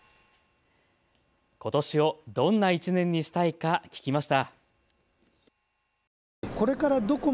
ことしをどんな１年にしたいか聞きました。